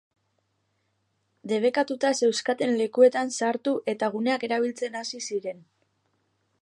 Debekatuta zeuzkaten lekuetan sartu eta guneak erabiltzen hasi ziren.